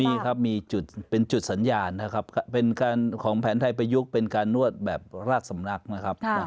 มีครับมีจุดเป็นจุดสัญญาณนะครับเป็นของแผนไทยประยุกต์เป็นการนวดแบบราชสำนักนะครับ